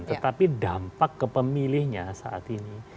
tetapi dampak kepemilihnya saat ini